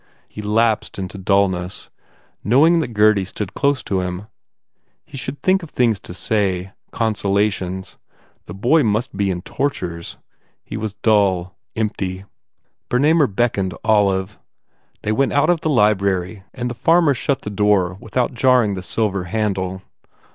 He lapsed into dullness, knowing that Gurdy stood close to him. He should think of things to say, conso lations. The boy must be in tortures. He was dull, empty. Bernamer beckoned Olive. They went out of the library and the farmer shut the door without jarring the silver handle.